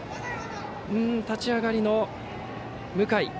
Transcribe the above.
立ち上がりの向井。